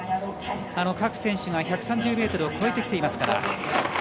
各選手が１３０ｍを越えてきていますから。